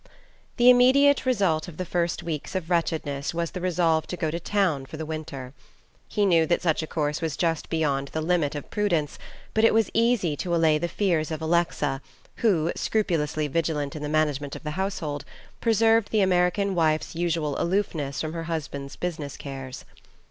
The immediate result of his first weeks of wretchedness was the resolve to go to town for the winter. He knew that such a course was just beyond the limit of prudence; but it was easy to allay the fears of Alexa who, scrupulously vigilant in the management of the household, preserved the American wife's usual aloofness from her husband's business cares.